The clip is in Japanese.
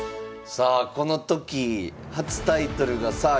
さあこの時初タイトルがさあ